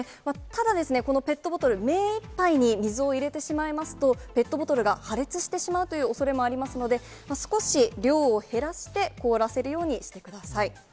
ただ、このペットボトル、目いっぱいに水を入れてしまいますと、ペットボトルが破裂してしまうというおそれもありますので、少し量を減らして凍らせるようにしてください。